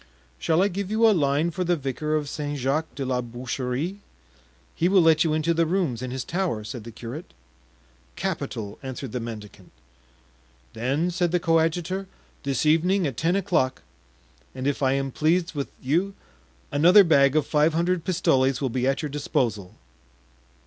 "Shall I give you a line for the vicar of St. Jacques de la Boucherie? he will let you into the rooms in his tower," said the curate. "Capital," answered the mendicant. "Then," said the coadjutor, "this evening, at ten o'clock, and if I am pleased with you another bag of five hundred pistoles will be at your disposal."